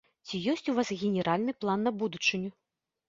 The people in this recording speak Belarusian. Ці ёсць у вас генеральны план на будучыню?